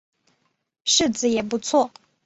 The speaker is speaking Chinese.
柿子也不错